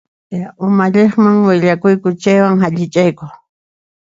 Ya umalliqman willakuyku chaywan hallich'ayku.